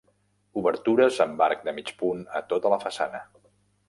Obertures amb arc de mig punt a tota la façana.